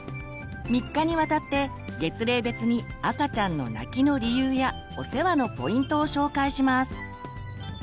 ３日にわたって月齢別に赤ちゃんの泣きの理由やお世話のポイントを紹介します。